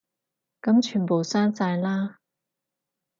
噉全部刪晒啦